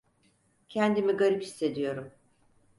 Kendimi garip hissediyorum.